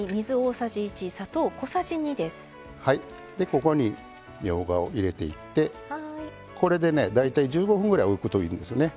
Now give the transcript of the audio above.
ここにみょうがを入れていってこれでね大体１５分ぐらいおくといいんですよね。